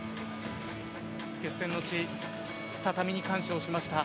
決戦の地畳に感謝をしました。